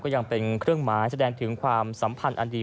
ยังเป็นเครื่องหมายแสดงถึงความสัมพันธ์อันดี